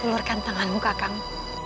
kelurkan tanganmu kakamu